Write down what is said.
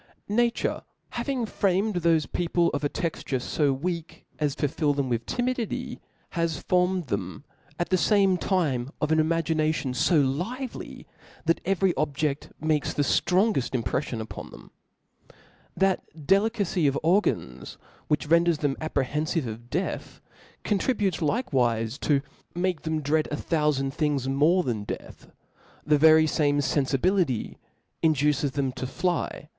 Nature having framed thofe people of a texture fo weak as to fill them with timidity, has formed them at the fame time of an imagination fo lively, that every objeft makes the ftrongeft impreflion upon them. That delicacy of organs which ren ders them apprehcnfive of death, contributes like^ wife to make them dread a thoufand things more ithan death : the very fame fenfibility induces them to fly, and dare, alt dangers.